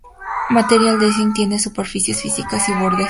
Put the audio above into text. Material Design tiene superficies físicas y bordes.